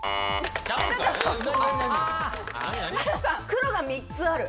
黒が３つある。